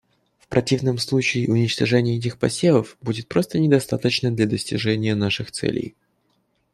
В противном случае уничтожения этих посевов будет просто недостаточным для достижения наших целей.